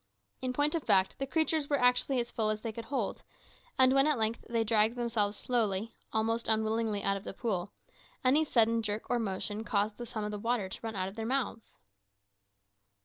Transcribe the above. In point of fact the creatures were actually as full as they could hold; and when at length they dragged themselves slowly, almost unwillingly, out of the pool, any sudden jerk or motion caused some of the water to run out of their mouths!